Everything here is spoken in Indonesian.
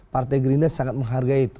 partai gerindra sangat menghargai itu